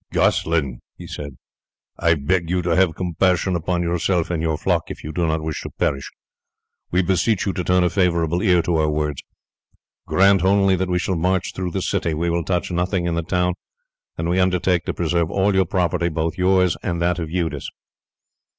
"Goslin," he said, "I beg you to have compassion upon yourself and your flock if you do not wish to perish. We beseech you to turn a favourable ear to our words. Grant only that we shall march through the city. We will touch nothing in the town, and we undertake to preserve all your property, both yours and that of Eudes."